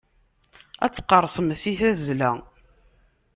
Ad teqqerṣem si tazla.